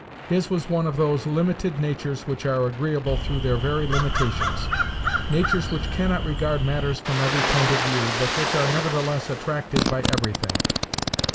His was one of those limited natures which are agreeable through their very limitations; natures which cannot regard matters from every point of view, but which are nevertheless attracted by everything.